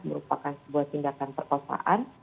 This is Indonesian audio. merupakan sebuah tindakan perkosaan